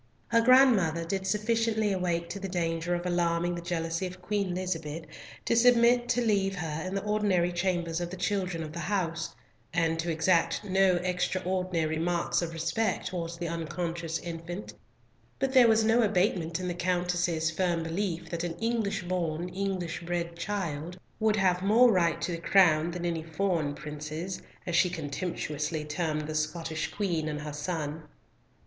Her grandmother did sufficiently awake to the danger of alarming the jealousy of Queen Elizabeth to submit to leave her in the ordinary chambers of the children of the house, and to exact no extraordinary marks of respect towards the unconscious infant; but there was no abatement in the Countess's firm belief that an English born, English bred child, would have more right to the crown than any "foreign princes," as she contemptuously termed the Scottish Queen and her son.